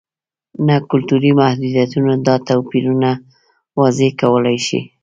نه کلتوري محدودیتونه دا توپیرونه واضح کولای شي.